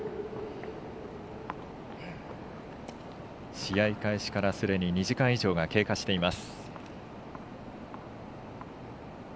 試合開始からすでに２時間以上が経過しています。